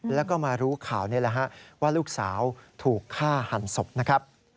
แล้วก็มารู้ข่าวนี่แหละฮะว่าลูกสาวถูกฆ่าหันศพนะครับ